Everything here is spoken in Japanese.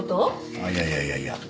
ああいやいやいやいや。